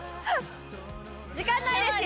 時間ないですよ。